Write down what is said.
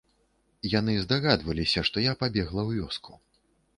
Яны здагадваліся, што я пабегла ў вёску.